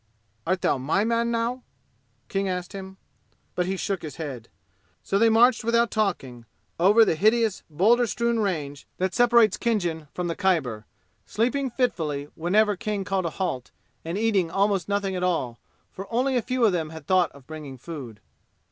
"Art thou my man now?" King asked him. But he shook his head. So they marched without talking over the hideous boulder strewn range that separates Khinjan from the Khyber, sleeping fitfully whenever King called a halt, and eating almost nothing at all, for only a few of them had thought of bringing food.